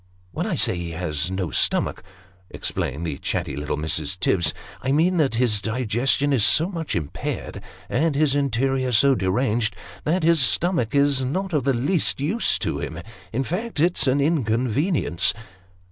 " When I say he has no stomach," explained the chatty little Mrs. Tibbs, " I mean that his digestion is so much impaired, and his interior so deranged, that his stomach is not of the least use to him ; in fact, it's an inconvenience."